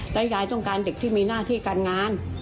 และยายต้องการเด็กที่มีหน้าที่การงาน